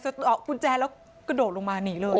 กุญแจแล้วกระโดดลงมาหนีเลย